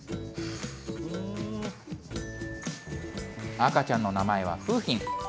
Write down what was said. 赤ちゃんの名前は楓浜。